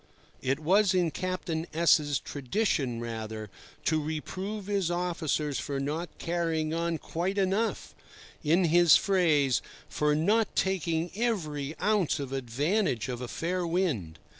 It was in Captain S—'s tradition rather to reprove his officers for not carrying on quite enough—in his phrase "for not taking every ounce of advantage of a fair wind."